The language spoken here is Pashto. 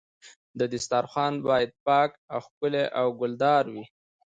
دسترخوان باید پاک او ښکلی او ګلدار وي.